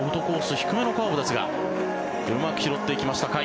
低めのカーブですがうまく拾っていきました、甲斐。